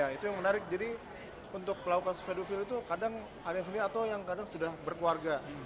ya itu yang menarik jadi untuk melakukan spedofil itu kadang ada yang sendiri atau yang kadang sudah berkeluarga